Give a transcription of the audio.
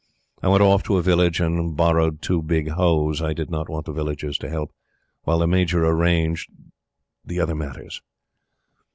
I went off to a village and borrowed two big hoes I did not want the villagers to help while the Major arranged the other matters.